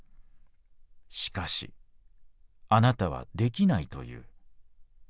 しかしあなたはできないと言う。